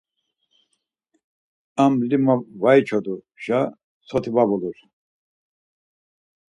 Am lima var içoduşa soti va vulur.